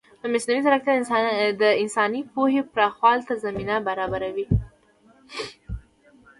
مصنوعي ځیرکتیا د انساني پوهې پراخولو ته زمینه برابروي.